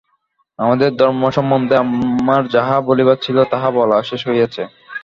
আমাদের ধর্ম সম্বন্ধে আমার যাহা বলিবার ছিল, তাহা বলা শেষ হইয়াছে।